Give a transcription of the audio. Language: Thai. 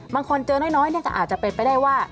บางคนเจอน้อยก็อาจจะเป็นไปได้ว่า